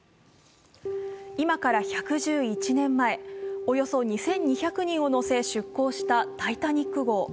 今から１１１年前、およそ２２００人を乗せ出港した「タイタニック」号。